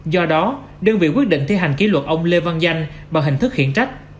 do đó đơn vị quyết định thi hành kỷ luật ông lê văn danh bằng hình thức khiển trách